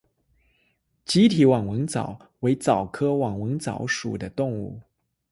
棘体网纹蚤为蚤科网纹蚤属的动物。